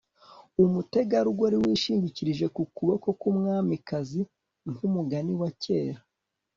Umutegarugori wishingikirije ku kuboko nkumwamikazi mu mugani wa kera